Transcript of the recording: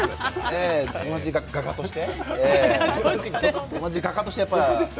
同じ画家として。